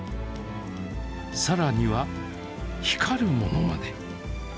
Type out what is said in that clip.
さらには光るものまで。